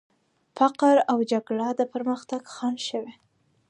فقر او جګړه د پرمختګ خنډ شوي.